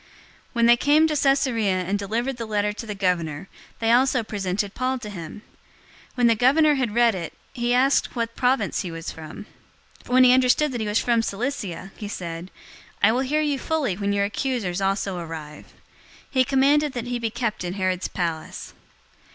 023:033 When they came to Caesarea and delivered the letter to the governor, they also presented Paul to him. 023:034 When the governor had read it, he asked what province he was from. When he understood that he was from Cilicia, he said, 023:035 "I will hear you fully when your accusers also arrive." He commanded that he be kept in Herod's palace.